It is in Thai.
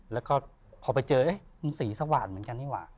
แล้วก็พอไปเจอมันสีสว่างเหมือนกันนี่ว่ะ